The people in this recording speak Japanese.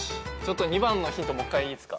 ２番のヒントもっかいいいですか？